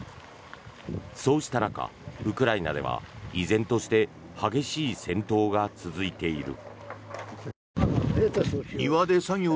そうした中、ウクライナでは依然として激しい戦闘が続いている。